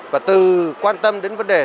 và từ quan tâm đến vấn đề